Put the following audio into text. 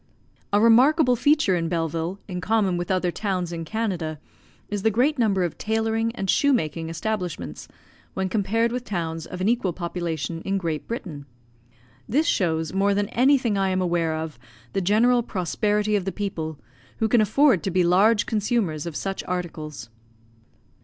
A remarkable feature in Belleville, in common with other towns in Canada, is the great number of tailoring and shoe making establishments, when compared with towns of an equal population in Great Britain. This shows, more than anything I am aware of, the general prosperity of the people, who can afford to be large consumers of such articles.